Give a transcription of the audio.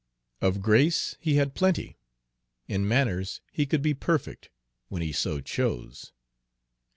Of grace he had plenty. In manners he could be perfect, when he so chose.